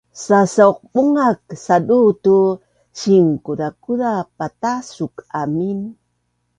sasauqbungak saduu tu sinkuzakuza patasuk amin